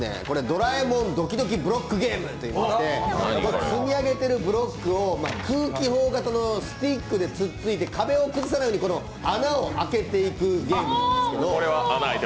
ドラえもんドキドキブロックゲームといいまして積み上げてるブロックを空気砲型のスティックでつついて、壁を崩さないように穴を開けていくゲームなんですが。